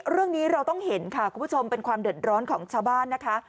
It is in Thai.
เรื่องนี้เราต้องเห็นค่ะคุณผู้ชมเป็นความเดือดร้อนของชาวบ้านนะคะ